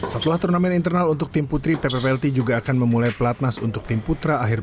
satulah turnamen internal untuk tim putri ppplt juga akan memulai pelatnas untuk tim putri